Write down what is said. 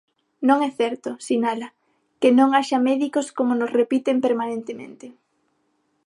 "Non é certo", sinala, "que non haxa médicos como nos repiten permanentemente".